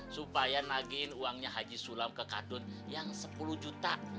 supaya nagihin uangnya haji sulam ke kadut yang sepuluh juta